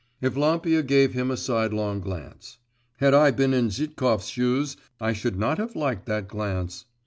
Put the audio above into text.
Evlampia gave him a sidelong glance; had I been in Zhitkov's shoes, I should not have liked that glance.